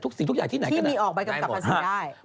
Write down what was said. ทุกสิ่งทุกอย่างที่ไหนก็ได้ที่มีออกบังกับประสิทธิ์ได้